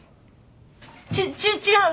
ち違う！